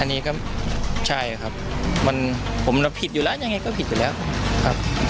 อันนี้ก็ใช่ครับมันผมรับผิดอยู่แล้วยังไงก็ผิดอยู่แล้วครับ